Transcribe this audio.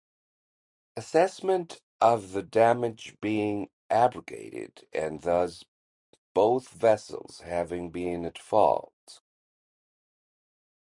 Assessment of the damage being abrogated and thus both vessels having been at fault.